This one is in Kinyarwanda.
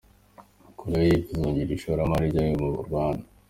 Koreya y’Epfo izongera ishoramari ryayo mu Rwanda